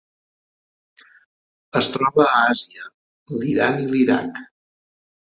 Es troba a Àsia: l'Iran i l'Iraq.